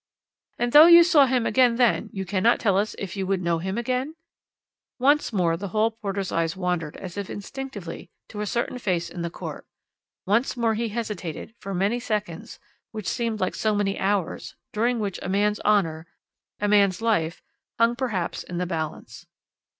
"' "'And though you saw him again then, you cannot tell us if you would know him again?' "Once more the hall porter's eyes wandered as if instinctively to a certain face in the court; once more he hesitated for many seconds which seemed like so many hours, during which a man's honour, a man's life, hung perhaps in the balance.